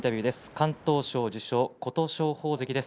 敢闘賞受賞の琴勝峰関です。